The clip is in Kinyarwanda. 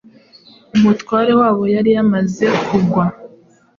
Umutware wabo yari yamaze kwangwa,